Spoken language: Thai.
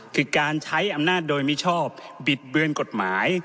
คือการใช้อำนาจโดยมิชอบบิดเบือนกฎหมาย